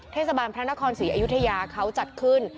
เทศบาลพระนครศรีอยุธยาเขาจัดขึ้น